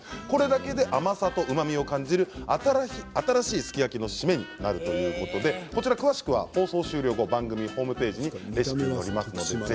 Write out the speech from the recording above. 甘さとうまみを感じる新しいすき焼きのシメになるということで詳しくは放送終了後番組ホームページにレシピを載せますので。